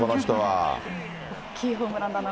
大きいホームランだなと。